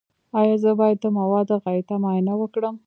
ایا زه باید د مواد غایطه معاینه وکړم؟